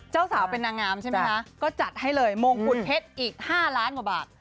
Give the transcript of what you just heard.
เจ้าสาวเป็นนางงามใช่ไหมคะก็จัดให้เลยมงกุฎเพชรอีก๕ล้านกว่าบาท